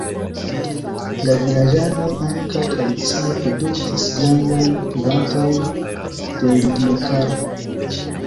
La vilaĝanoj ankaŭ tradicie produktis grandajn kvantojn de Lignokarbo.